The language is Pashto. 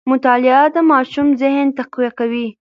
مطالعه د ماشوم ذهن تقویه کوي.